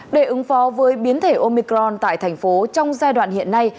để ứng phó với biến thể omicron tại thành phố trong giai đoạn hiện nay